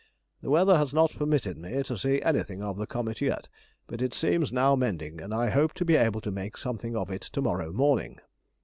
The weather has not permitted me to see anything of the comet yet, but it seems now mending, and I hope to be able to make something of it to morrow morning.